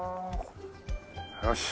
よし。